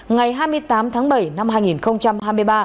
ngày hai mươi tám tháng bảy năm hai nghìn hai mươi ba